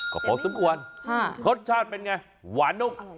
ก็พอสมควรรสชาติเป็นไงหวานนุ่ม